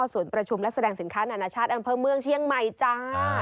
สวนประชุมและแสดงสินค้านานชาติอันเพิ่มเมืองเชียงใหม่จ้า